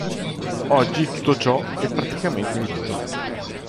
Oggi tutto ciò è praticamente in disuso.